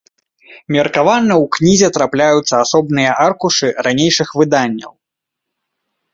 Меркавана ў кнізе трапляюцца асобныя аркушы ранейшых выданняў.